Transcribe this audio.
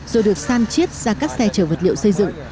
rồi được san chiết ra các xe chở vật liệu xây dựng